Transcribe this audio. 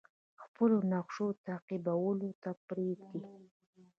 خپلو نقشو تعقیبولو ته پریږدي.